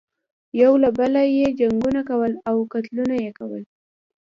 یو له بله یې جنګونه کول او قتلونه یې کول.